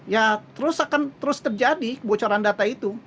ya terus akan terus terjadi kebocoran data itu